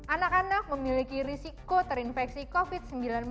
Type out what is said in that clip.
anak anak memiliki risiko terinfeksi covid sembilan belas